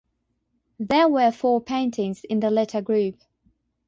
There were four paintings in the latter group.